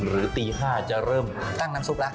หรือตี๕๓๐นจะเริ่มตั้งน้ำซุปละ